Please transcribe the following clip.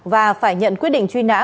và phải nhận quyết định truy nã